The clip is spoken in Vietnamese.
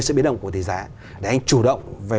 sự biến động của tỷ giá để anh chủ động về